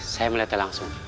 saya meletak langsung